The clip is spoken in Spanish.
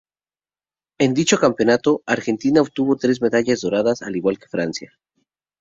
En dicho campeonato, Argentina obtuvo tres medallas doradas al igual que Francia.